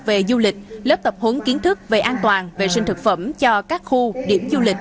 về du lịch lớp tập huấn kiến thức về an toàn vệ sinh thực phẩm cho các khu điểm du lịch